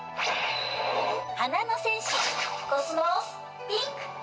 花の戦士コスモスピンク！